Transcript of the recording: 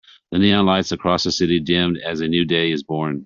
The neon lights across the city dimmed as a new day is born.